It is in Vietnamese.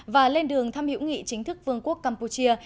và lên đường thăm hữu nghị chính thức vương quốc campuchia